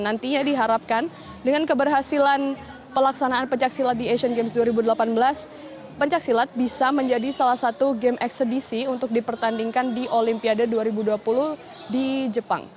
nantinya diharapkan dengan keberhasilan pelaksanaan pencaksilat di asian games dua ribu delapan belas pencaksilat bisa menjadi salah satu game eksebisi untuk dipertandingkan di olimpiade dua ribu dua puluh di jepang